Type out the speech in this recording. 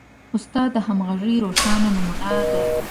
استاد د همغږۍ روښانه نمونه ده.